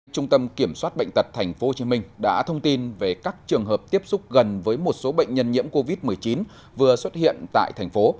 trung tâm kiểm soát bệnh tật tp hcm đã thông tin về các trường hợp tiếp xúc gần với một số bệnh nhân nhiễm covid một mươi chín vừa xuất hiện tại thành phố